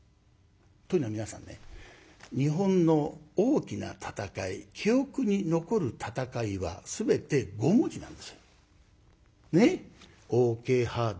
というのは皆さんね日本の大きな戦い記憶に残る戦いは全て５文字なんですよ。ねえ？